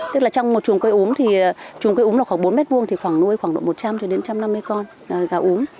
tức là trong một chuồng cây úm thì chuồng cây úm là khoảng bốn mét vuông thì khoảng nuôi khoảng độ một trăm linh một trăm năm mươi con gà úm